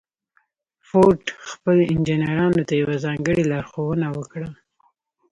فورډ خپلو انجنيرانو ته يوه ځانګړې لارښوونه وکړه.